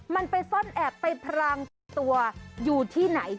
มันไปซ่อนแอบไปพรางติดตัวอยู่ที่ไหน